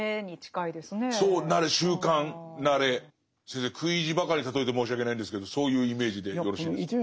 先生食い意地ばかり例えて申し訳ないんですけどそういうイメージでよろしいですか？